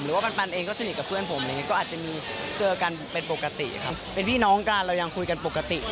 หรือว่าปันเองก็ก็สนิทกับเพื่อนผมก็อาจจะมีเจอกันเป็นปกติครับ